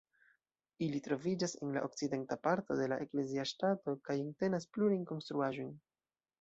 Ili troviĝas en la okcidenta parto de la eklezia ŝtato kaj entenas plurajn konstruaĵojn.